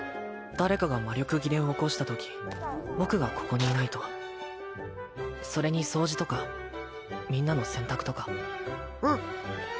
誰かが魔力切れを起こしたとき僕がここにいないとそれに掃除とかみんなの洗濯とかうん？